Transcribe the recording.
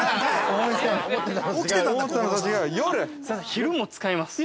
◆昼も使います。